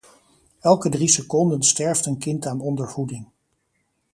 Elke drie seconden sterft een kind aan ondervoeding.